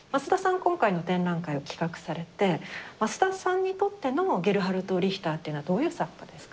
今回の展覧会を企画されて桝田さんにとってのゲルハルト・リヒターっていうのはどういう作家ですか？